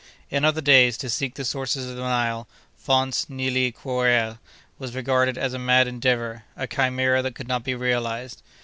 In other days, to seek the sources of the Nile—fontes Nili quærere—was regarded as a mad endeavor, a chimera that could not be realized.